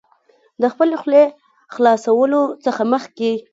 د خپلې خولې خلاصولو څخه مخکې